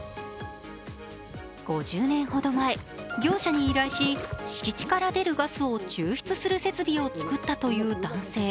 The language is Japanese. ５０年ほど前、業者に依頼し敷地から出るガスを抽出する設備を作ったという男性。